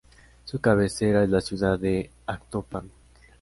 Su cabecera es la ciudad de Actopan.